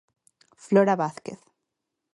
Flora Vázquez.